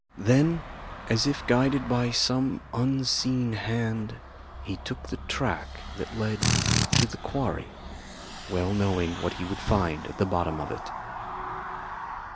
Then, as if guided by some unseen hand, he took the track that led to the quarry, well knowing what he would find at the bottom of it.